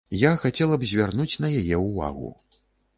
Я хацела б звярнуць на яе ўвагу.